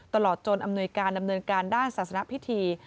ตลอดจนอำนวยการดำเนินการด้านศาสนพิธี